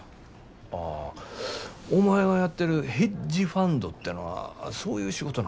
ああお前がやってるヘッジファンドてのはそういう仕事なんか。